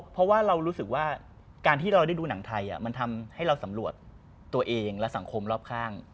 เพราะว่าเรารู้สึกว่าการที่เราได้ดูหนังไทยมันทำให้เราสำรวจตัวเองและสังคมรอบข้าง